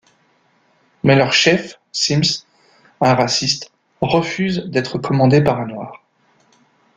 Mais leur chef, Simms, un raciste, refuse d'être commandé par un noir.